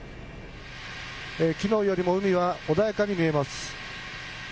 昨日よりも海は穏やかに見えます。